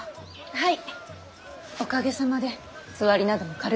はい。